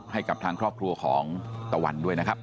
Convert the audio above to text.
ให้กับทางครอบครัวของตะวันด้วยนะครับ